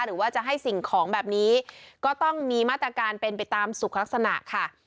หรือว่าจะให้สิ่งของแบบนี้ก็ต้องมีมาตรการเป็นไปตามสุขลักษณะค่ะ